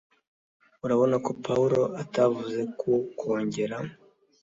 urabona ko pawulo atavuze ko kongera